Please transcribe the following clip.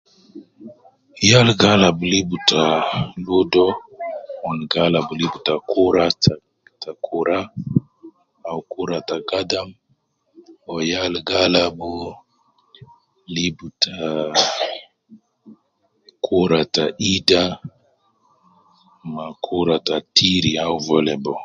Yal gi alab lib ta, ludo, mon gi alab lib ta kuura ta kura au kuura ta Qadam, wu yal gi alabu, lib ta, kuura ta ida ma kuura ta tiri au volley ball